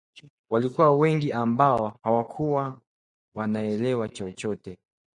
walikua wengi ambao hawakua wanaelewa chochote